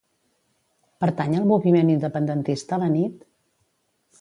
Pertany al moviment independentista la Nit?